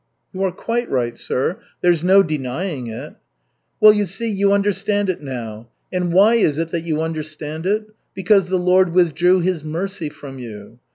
"You are quite right, sir. There's no denying it." "Well, you see, you understand it now. And why is it that you understand it? Because the Lord withdrew His mercy from you.